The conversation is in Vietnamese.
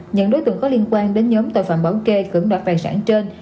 nhận đối tượng có liên quan đến nhóm tội phạm bảo kê cứng đoạt vài sản trên